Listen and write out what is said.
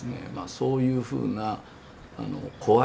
そういうふうな